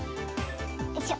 よいしょ。